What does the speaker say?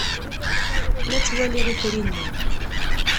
La ttwaliɣ itri-nni.